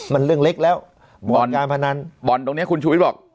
มันเรื่องเล็กแล้วบ่อนการพนันบ่อนตรงนี้คุณชูวิทย์บอก